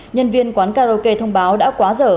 nhân viên quán karaoke thông báo đã quá dở